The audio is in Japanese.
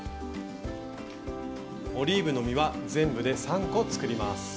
オリーブの実は全部で３個作ります。